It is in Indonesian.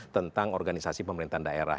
tentang organisasi pemerintahan daerah